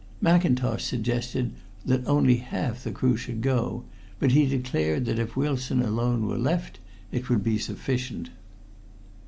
Mackintosh suggested that only half the crew should go, but he declared that if Wilson alone were left it would be sufficient."